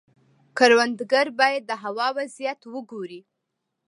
کروندګر باید د هوا وضعیت وګوري.